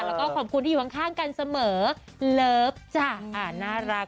แล้วก็ขอบคุณที่อยู่ข้างกันเสมอเลิฟจ้ะน่ารัก